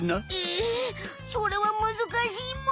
ええそれはむずかしいむ。